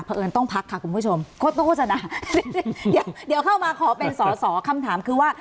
เพราะเอิญต้องพักค่ะคุณผู้ชมเดี๋ยวเข้ามาขอเป็นสอคำถามคือว่า